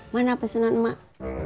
mana pesanan emak